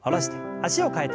脚を替えて。